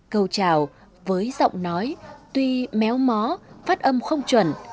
câu trào với giọng nói tuy méo mó phát âm không chuẩn